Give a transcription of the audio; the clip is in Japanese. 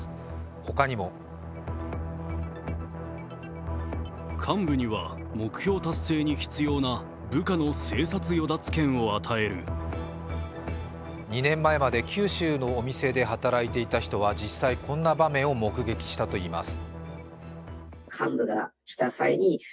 他にも２年前まで九州のお店で働いていた人は実際こんな場面を目撃したといいます。